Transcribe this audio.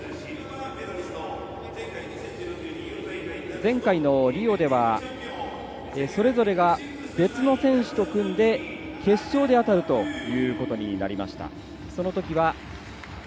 前回のリオでは、それぞれが別の選手と組んで、決勝で当たるということになりました。